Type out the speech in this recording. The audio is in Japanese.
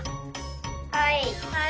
はい。